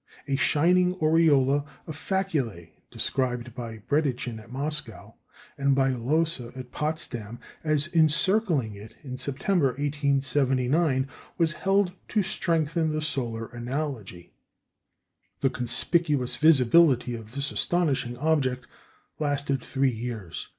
A shining aureola of "faculæ," described by Bredichin at Moscow, and by Lohse at Potsdam, as encircling it in September, 1879, was held to strengthen the solar analogy. The conspicuous visibility of this astonishing object lasted three years.